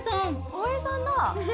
大江さんだ！